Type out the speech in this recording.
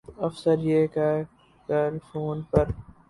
افسر یہ کہہ کر فون پر